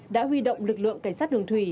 đã huy động lực lượng cảnh sát đường thủy